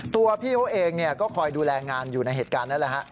ตัวพี่พ่อเองก็คอยดูแลงานอยู่ในเหตุการณ์นั้น